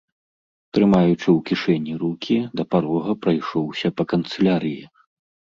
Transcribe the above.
Трымаючы ў кішэні рукі, да парога прайшоўся па канцылярыі.